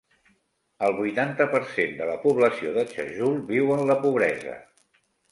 El vuitanta per cent de la població de Chajul viu en la pobresa.